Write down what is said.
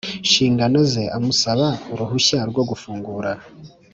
nshingano ze amusaba uruhushya rwo gufungura